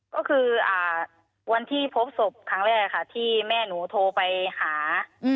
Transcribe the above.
ก็คือวันที่พบศพครั้งแรกค่ะที่แม่หนูโทรไปหา